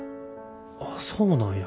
あっそうなんや。